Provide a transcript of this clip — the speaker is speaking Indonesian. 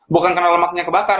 bukan karena lemaknya kebakar